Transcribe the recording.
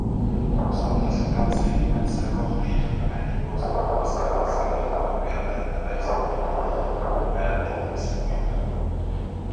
Suuntasin katseeni metsää kohti ja lähdin juoksemaan askel askeleelta yhä päättäväisemmin ja määrätietoisemmin.